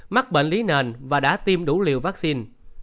mắc bệnh lý nền và đã tiêm đủ liều vaccine